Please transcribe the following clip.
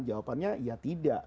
jawabannya ya tidak